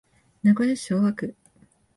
名古屋市昭和区